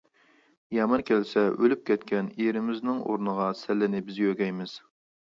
يامىنى كەلسە، ئۆلۈپ كەتكەن ئېرىمىزنىڭ ئورنىغا سەللىنى بىز يۆگەيمىز.